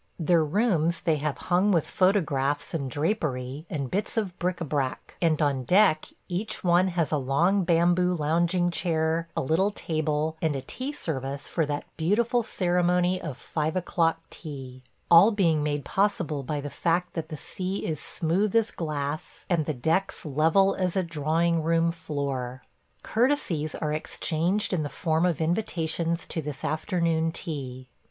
Their rooms they have hung with photographs and drapery and bits of bric à brac, and on deck each one has a long bamboo lounging chair, a little table, and a tea service for that beautiful ceremony of five o'clock tea – all being made possible by the fact that the sea is smooth as glass and the decks level as a drawing room floor. Courtesies are exchanged in the form of invitations to this afternoon tea.